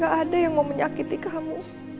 gak ada yang mau menyakiti kamu